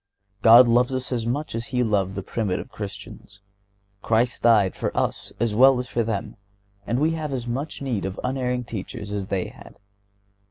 God loves us as much as He loved the primitive Christians; Christ died for us as well as for them and we have as much need of unerring teachers as they had.